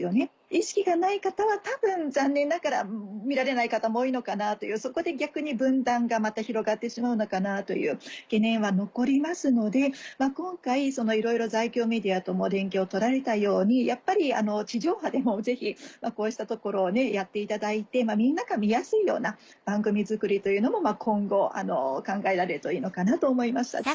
意識がない方は多分残念ながら見られない方も多いのかなというそこで逆に分断がまた広がってしまうのかなという懸念は残りますので今回いろいろ在京メディアとも連携を取られたようにやっぱり地上波でもぜひこうしたところをやっていただいてみんなが見やすいような番組作りというのも今後考えられるといいのかなと思いました。